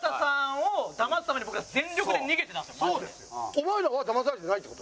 お前らはだまされてないって事？